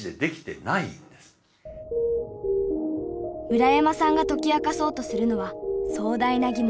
村山さんが解き明かそうとするのは壮大な疑問。